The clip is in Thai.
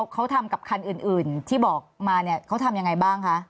เขาทำกับคันอื่นที่บอกมาเนี่ยเขาทำยังไงบ้างคะ